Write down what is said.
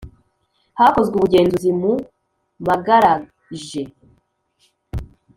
Hakozwe ubugenzuzi mu magaraje .